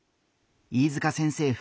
飯塚先生